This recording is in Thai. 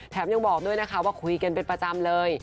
ยังบอกด้วยนะคะว่าคุยกันเป็นประจำเลย